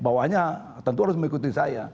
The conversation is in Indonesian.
bawahnya tentu harus mengikuti saya